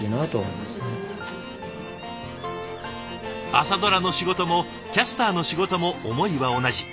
「朝ドラ」の仕事もキャスターの仕事も思いは同じ。